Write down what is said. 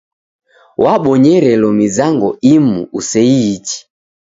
Wabonyerelo mizango imu useiichi.